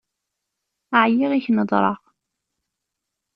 Ԑyiɣ i k-nedṛeɣ.